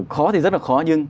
khó thì rất là khó nhưng